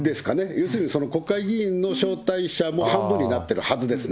要するに国会議員の招待者も半分になってるはずですね。